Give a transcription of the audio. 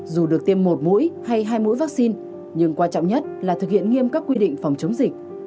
dù được tiêm một mũi hay hai mũi vaccine nhưng quan trọng nhất là thực hiện nghiêm các quy định phòng chống dịch